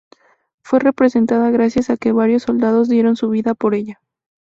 Fue representada gracias a que varios soldados dieron su vida por ella.